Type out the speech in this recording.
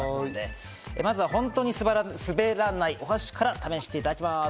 まずは「ほんとうにすべらないお箸」から試していただきますよ。